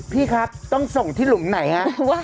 พี่ครับต้องส่งที่หลุมไหนฮะ